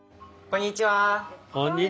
こんにちは。